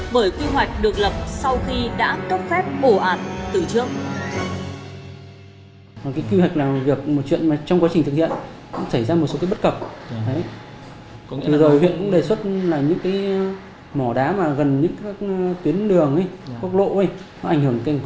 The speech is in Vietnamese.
bởi quy hoạch được lập sau khi đã cấp phép bổ ản từ trước